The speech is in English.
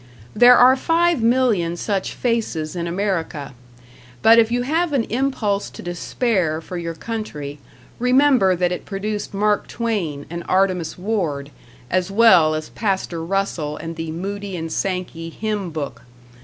There are five million such faces in America, but if you have an impulse to despair for your country, remember that it produced Mark Twain and Artemus Ward, as well as Pastor Russell and the Moody and Sankey hymn book.